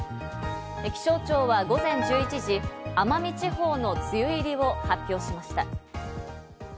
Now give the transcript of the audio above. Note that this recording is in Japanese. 気象庁は午前１１時、奄美地方の梅雨入りを発表しました。